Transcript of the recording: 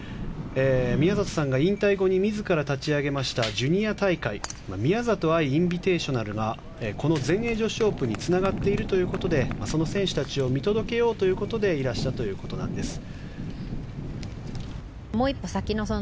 宮里さんが引退後に自ら立ち上げましたジュニア大会宮里藍インビテーショナルがこの全英女子オープンにつながっているということでその選手たちを見届けようということでいらしたということなんです。